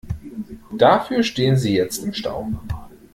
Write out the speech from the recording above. Dafür stehen sie jetzt im Stau.